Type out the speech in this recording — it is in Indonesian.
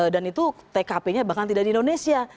dan itu tkp nya bahkan tidak di indonesia